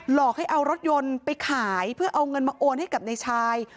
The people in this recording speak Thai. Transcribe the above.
หลอกให้เอารถยนต์ไปขายเพื่อเอาเงินมาโอนให้กับในชาย